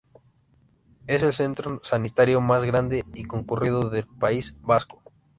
Es el centro sanitario más grande y concurrido del País Vasco.